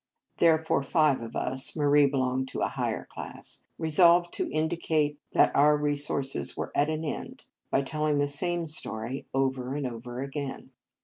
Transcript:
Therefore five of us (Marie belonged to a higher class) resolved to indicate that our resources were at an end by telling the same story over and over again.